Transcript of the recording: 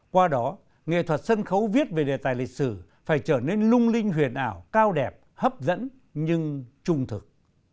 qua đó nghệ thuật sân khấu viết về đề tài lịch sử phải trở nên lung linh huyền ảo cao đẹp hấp dẫn nhưng trung thực